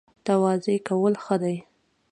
تواضع کول ښه دي